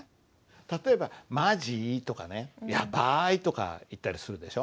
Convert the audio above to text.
例えば「マジ」とかね「ヤバい」とか言ったりするでしょ。